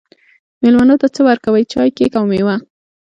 میلمنو ته څه ورکوئ؟ چای، کیک او میوه